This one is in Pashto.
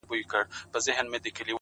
صبر د ناوخته بریا راز دی!